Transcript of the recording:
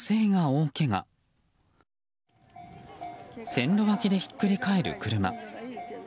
線路脇で、ひっくり返る車。